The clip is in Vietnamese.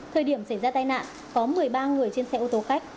thời điểm xảy ra tai nạn có một mươi ba người trên xe ô tô khách